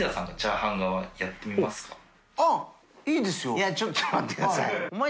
覆燭筺いやちょっと待ってください